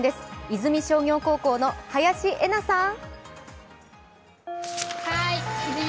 出水商業高校の林愛華さん。